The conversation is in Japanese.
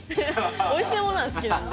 おいしいものは好きなので。